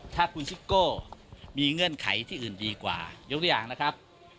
ถ้าคุณซิโก้มีเงื่อนไขที่อื่นดีกว่ายกตัวอย่างนะครับ